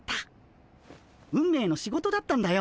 運命の仕事だったんだよ